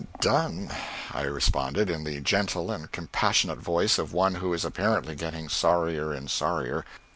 "Done," I responded, in the gentle and compassionate voice of one who is apparently getting sorrier and sorrier.